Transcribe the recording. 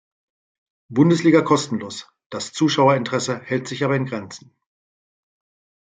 Bundesliga kostenlos, das Zuschauerinteresse hält sich aber in Grenzen.